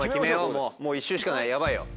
もうもう１周しかないヤバいよ。